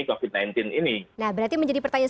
covid sembilan belas ini nah berarti menjadi pertanyaan